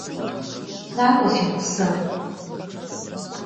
Nak'ue si ğuseu!